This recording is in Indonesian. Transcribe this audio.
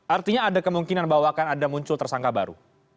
artinya ada kemungkinan bahwa akan ada muncul tersangka baru